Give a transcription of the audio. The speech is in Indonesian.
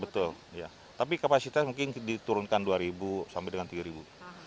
betul tapi kapasitas mungkin diturunkan dua ribu sampai dengan tiga ribu